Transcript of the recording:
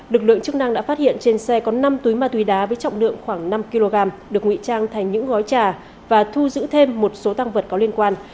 lực lượng chức năng đã phát hiện trên xe có năm túi ma túy đá với trọng lượng khoảng năm kg được nguy trang thành những gói trà và thu giữ thêm một số tăng vật có liên quan